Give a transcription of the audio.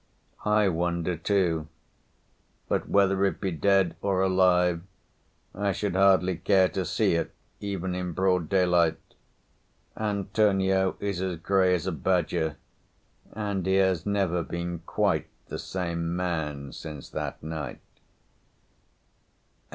"_ _I wonder, too. But whether it be dead or alive, I should hardly care to see it, even in broad daylight. Antonio is as grey as a badger, and he has never been quite the same man since that night.